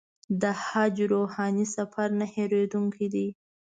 د حج روحاني سفر نه هېرېدونکی دی.